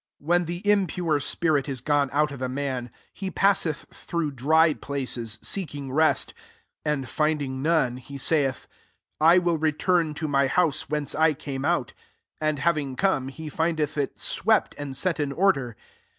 24 w When the impure spint is gone out of a man, he pi»s eth through dry places^ seek ing rest ; and, finding none, he saith. 'I will return to my house whence I came out.' 25 And having come, he findeth ii swept and set in order.